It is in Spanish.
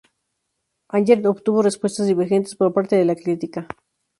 Anger" obtuvo respuestas divergentes por parte de la crítica.